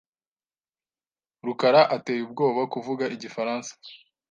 rukaraateye ubwoba kuvuga igifaransa.